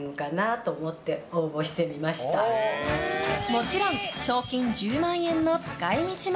もちろん賞金１０万円の使い道も。